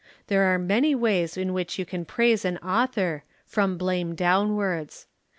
There are many ways in which you can praise an author, from blame downwards.